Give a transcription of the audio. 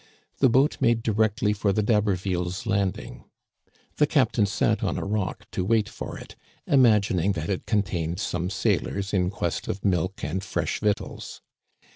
The boat made directly for the D'Habervilles' landing. The captain sat on a rock to wait for it, imag ining that it contained some sailors in quest of milk and fresh victuals.